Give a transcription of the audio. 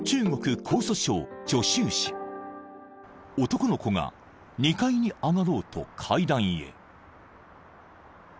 ［男の子が２階に上がろうと階段へ］